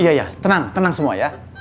iya iya tenang tenang semua ya